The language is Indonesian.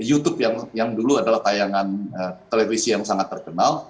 youtube yang dulu adalah tayangan televisi yang sangat terkenal